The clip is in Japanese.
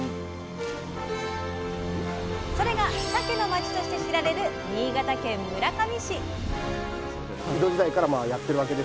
それがさけの町として知られる新潟県村上市。